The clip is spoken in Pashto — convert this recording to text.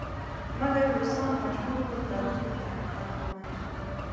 مګر روسان مجبور ول دا تریخ حقیقت ومني.